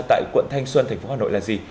tại quận thanh xuân tp hà nội là gì